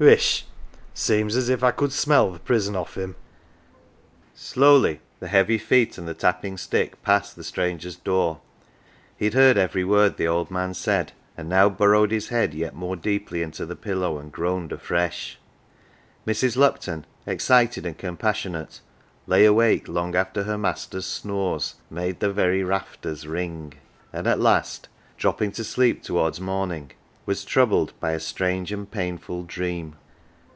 Whish ! seems as if I could smell t\i prison off him !" Slowly the heavy feet and the tapping stick passed the stranger's door ; he had heard every word the old man said, and now burrowed his head yet more deeply into the pillow, and groaned afresh. Mrs. Lupton, excited and compassionate, lay awake long after her master's snores made the very rafters ring, and at last, dropping to sleep towards morning, was troubled by a strange and painful dream.